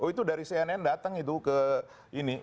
oh itu dari cnn datang itu ke ini